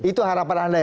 itu harapan anda ya